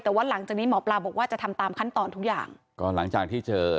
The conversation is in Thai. แต่ว่าหลังจากนี้หมอปลาบอกว่าจะทำตามขั้นตอนทุกอย่างก็หลังจากที่เจอ